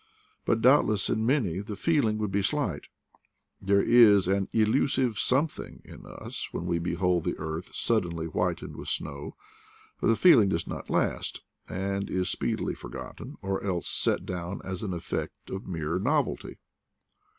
But doubtless in many the feeling would be slight ; there is an "illusive something" in us when we behold the earth suddenly whitened with snow; but the feeling does not last, and is speedily for gotten, or else set down as an effect of mere nov elty.